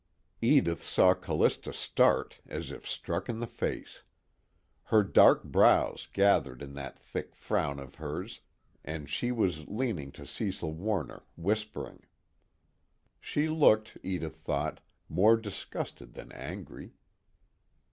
Edith saw Callista start as if struck in the face. Her dark brows gathered in that quick frown of hers, and she was leaning to Cecil Warner, whispering. She looked, Edith thought, more disgusted than angry.